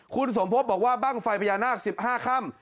คุณสมพบบอกว่าบ้างไฟพญานาค๑๕ค่ำ